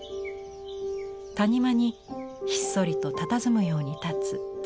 谷間にひっそりとたたずむように立つ小さな美術館。